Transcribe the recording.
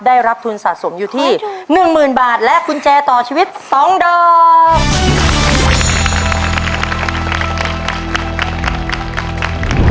ได้รับทุนสะสมอยู่ที่๑๐๐๐บาทและกุญแจต่อชีวิต๒ดอก